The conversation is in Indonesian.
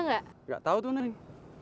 gak tahu tuh neneng